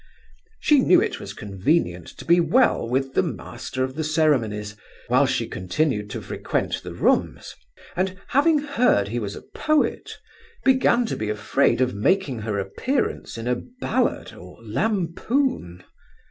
She knew it was convenient to be well with the Master of the Ceremonies, while she continued to frequent the Rooms; and, having heard he was a poet, began to be afraid of making her appearance in a ballad or lampoon.